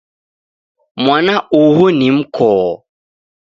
Mwana uhu ni mkoo